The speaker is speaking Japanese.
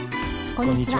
こんにちは。